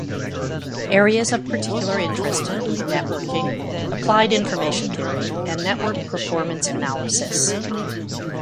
Areas of particular interest include Networking, Applied Information Theory and Network Performance Analysis.